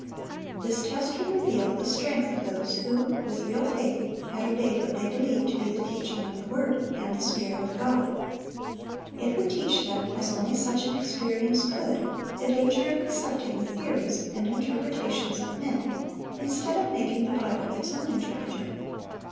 This test would reveal the strength of those who with real faith had obeyed what they believed to be the teaching of the word and the Spirit of God. It would teach them, as only such an experience could, the danger of accepting the theories and interpretations of men, instead of making the Bible its own interpreter.